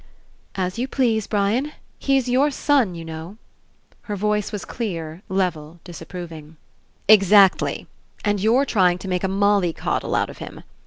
"As you please, Brian. He's your son, you know." Her voice was clear, level, disap proving. "Exactly! And you're trying to make a molly coddle out of him.